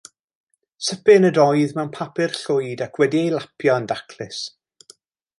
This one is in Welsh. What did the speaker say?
Sypyn ydoedd mewn papur llwyd, ac wedi ei lapio yn daclus.